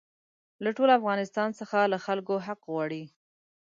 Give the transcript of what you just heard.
له ټول افغانستان څخه له خلکو حق غواړي.